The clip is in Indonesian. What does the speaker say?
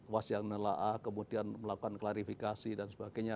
was yang menelaah kemudian melakukan klarifikasi dan sebagainya